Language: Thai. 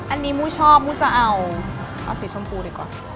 อันนี้มู้ชอบมู้จะเอาสีชมพูดีกว่า